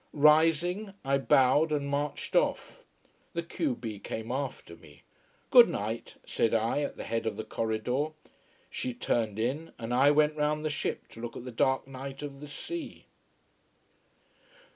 Rising, I bowed and marched off. The q b came after me. Good night, said I, at the head of the corridor. She turned in, and I went round the ship to look at the dark night of the sea.